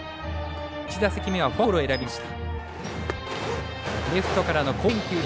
１打席目はフォアボールを選びました。